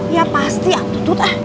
ya pasti aku tut ah